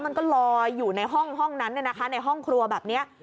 มันก็ลอยอยู่ในห้องนั้นในห้องครัวแบบนี้